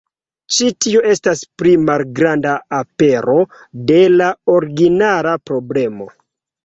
Ĉi tio estas pli malgranda apero de la originala problemo.